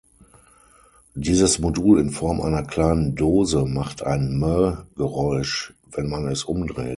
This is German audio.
Dieses Modul in Form einer kleinen Dose macht ein "Mööh"-Geräusch, wenn man es umdreht.